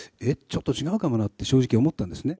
ちょっと違うかもなって、正直思ったんですね。